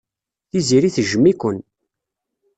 Tiziri tejjem-iken.